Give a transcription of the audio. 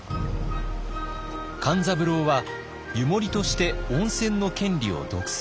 勘三郎は湯守として温泉の権利を独占。